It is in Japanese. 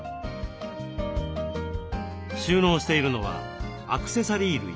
収納しているのはアクセサリー類。